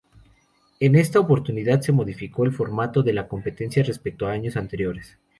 En esta oportunidad se modificó el formato de la competencia respecto a años anteriores.